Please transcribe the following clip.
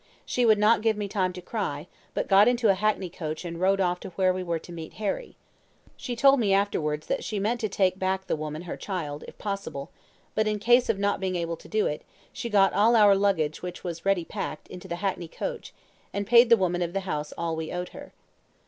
She would not give me time to cry, but got into a hackney coach and rode off to where we were to meet Harry. She told me afterwards that she meant to take back the woman her child, if possible; but, in case of not being able to do it, she got all our luggage which was ready packed, into the hackney coach, and paid the woman of the house all we owed her.